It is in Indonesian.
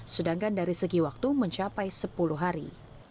sedangkan dari segi waktu mencapai sepuluh hari